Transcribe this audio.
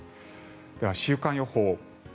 では、週間予報。